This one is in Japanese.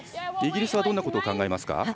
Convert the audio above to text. イギリスはどんなことを考えますか。